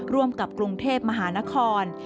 ร่วมกับกรุงเทพมหานคร